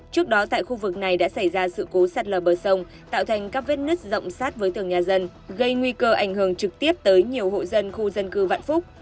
trước đó tại khu vực này đã xảy ra sự cố sạt lở bờ sông tạo thành các vết nứt rộng sát với tường nhà dân gây nguy cơ ảnh hưởng trực tiếp tới nhiều hộ dân khu dân cư vạn phúc